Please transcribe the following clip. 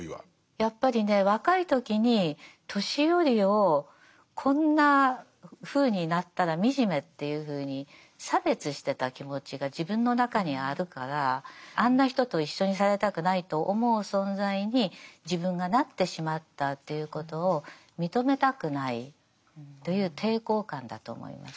やっぱりね若い時に年寄りをこんなふうになったら惨めっていうふうに差別してた気持ちが自分の中にあるからあんな人と一緒にされたくないと思う存在に自分がなってしまったということを認めたくないという抵抗感だと思います。